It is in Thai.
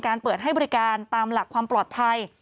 เปิดให้บริการตามหลักความปลอดภัย